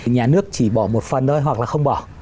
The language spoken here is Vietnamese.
nhà nước chỉ bỏ một phần thôi hoặc là không bỏ